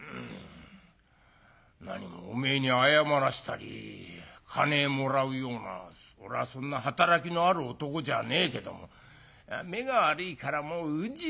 「なにもおめえに謝らしたり金もらうような俺はそんな働きのある男じゃねえけども目が悪いからもううじうじしてなぁ」。